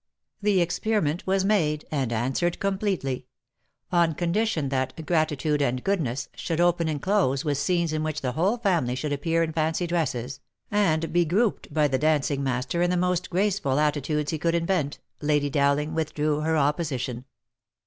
The experiment was made, and answered completely; on condition, that " Gratitude and Goodness " should open and close with scenes in which the whole family should appear in fancy dresses, and be grouped by the dancing master in the most graceful attitudes he could invent, Lady Dowling withdrew her opposition.